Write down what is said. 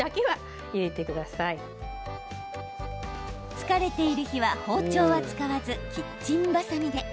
疲れている日は包丁は使わずキッチンばさみで。